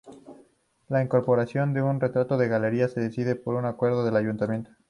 La incorporación de un retrato a la Galería se decide por acuerdo del Ayuntamiento.